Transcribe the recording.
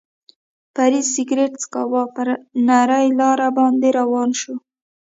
فرید سګرېټ څکاوه، پر نرۍ لار باندې روان شو.